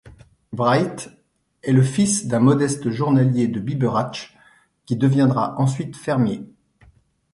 Braith est le fils d'un modeste journalier de Biberach qui deviendra ensuite fermier.